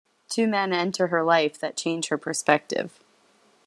Two men enter her life that change her perspective.